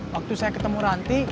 waktu saya ketemu ranti